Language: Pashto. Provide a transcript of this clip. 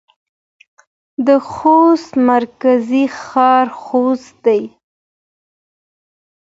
د خوست مرکزي ښار خوست دی.